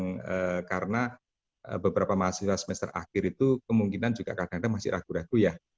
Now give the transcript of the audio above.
yang karena beberapa mahasiswa semester akhir itu kemungkinan juga kadang kadang masih ragu ragu ya